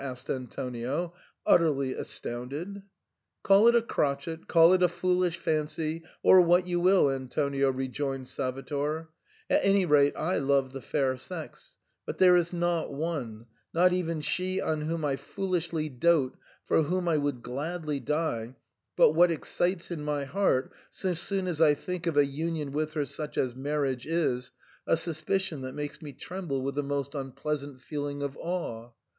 *' asked Antonio, utterly astounded. " Call it a crotchet, call it a foolish fancy, or what you will, Antonio," rejoined Salvator, — "at any rate I love the fair sex ; but there is not one, not even she on whom I foolishly dote, for whom I would gladly die, but what excites in my heart, so soon as I think of a union with her such as marriage is, a suspicion that makes me tremble with a most unpleasant feeling of awe.